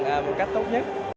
là một cách tốt nhất